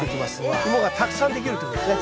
イモがたくさんできるということですね。